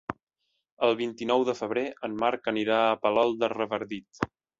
El vint-i-nou de febrer en Marc anirà a Palol de Revardit.